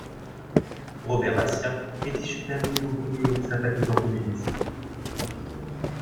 Robert Barcia est issu d'un milieu ouvrier sympathisant communiste.